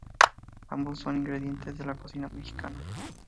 Ambos son ingredientes de la cocina mexicana.